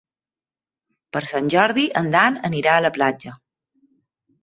Per Sant Jordi en Dan anirà a la platja.